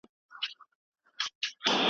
له ازل سره په جنګ یم پر راتلو مي یم پښېمانه